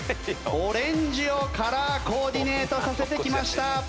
オレンジをカラーコーディネートさせてきました。